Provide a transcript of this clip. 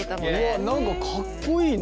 わっ何かかっこいいね。